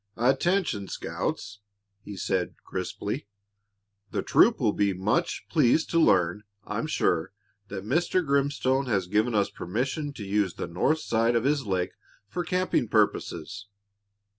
"Attention, scouts!" he said crisply. "The troop will be much pleased to learn, I'm sure, that Mr. Grimstone has given us permission to use the north side of his lake for camping purposes."